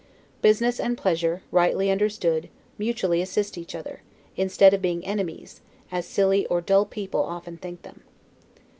Business and pleasure, rightly understood, mutually assist each other, instead of being enemies, as silly or dull people often think them.